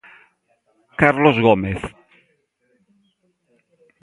Carlos Gómez.